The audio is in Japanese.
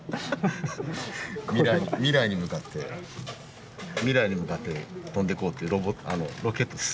未来に未来に向かって未来に向かって飛んでこうっていうロケットです。